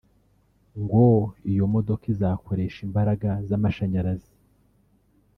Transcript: ngo iyo modoka izakoresha imbaraga z’amashanyarazi